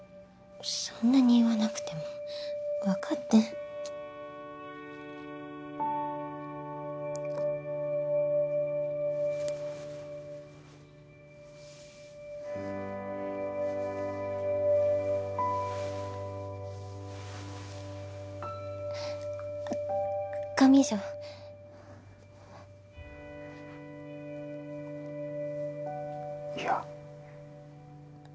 そんなに言わなくても分かってあっ上条嫌？